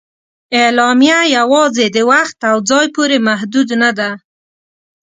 اعلامیه یواځې د وخت او ځای پورې محدود نه ده.